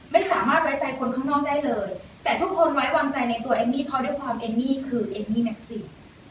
ไม่สามารถไว้ใจคนข้างนอกได้เลยแต่ทุกคนไว้วางใจในตัวเอมมี่เพราะด้วยความเอมมี่คือเอมมี่แม็กซี่